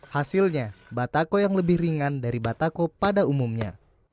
hasilnya batako yang lebih ringan dari batako pada umumnya